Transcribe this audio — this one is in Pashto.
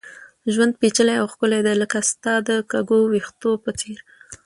ژوند پېچلی او ښکلی دی ، لکه ستا د کږو ويښتو په څېر